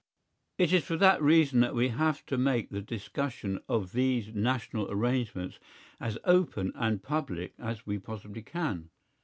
It is for that reason that we have to make the discussion of these national arrangements as open and public as we possibly can.